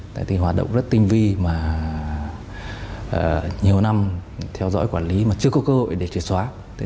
tại vì hoạt động rất tinh vi mà nhiều năm theo dõi quản lý mà chưa có cơ hội để truyền xóa